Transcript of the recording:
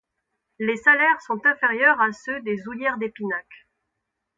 Les salaires sont inférieurs à ceux des Houillères d'Épinac.